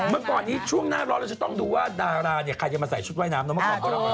เมื่อก่อนนี้ช่วงหน้าร้อนเราจะต้องดูว่าดาราใครจะมาใส่ชุดว่ายน้ำน้องมะคอบก็รับแล้ว